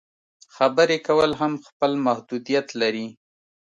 خبرې کول هم خپل محدودیت لري.